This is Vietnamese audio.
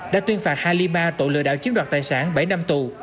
đã tuyên phạt halima tội lừa đảo chiếm đoạt tài sản bảy năm tù